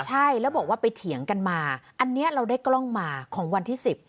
ใช่แล้วบอกว่าไปเถียงกันมาอันนี้เราได้กล้องมาของวันที่สิบ